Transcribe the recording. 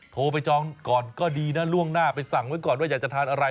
โทรไปจองก่อนก็ดีนะล่วงหน้าไปสั่งไว้ก่อนว่าอยากจะทานอะไร